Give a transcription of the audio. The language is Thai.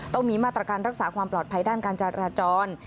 ต้องมีมาตรการรักษาความปลอดภัยด้านการจราจร